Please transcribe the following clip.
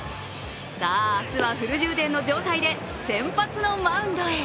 さあ、明日はフル充電の状態で先発のマウンドへ。